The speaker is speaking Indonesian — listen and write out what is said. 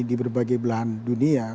di berbagai belahan dunia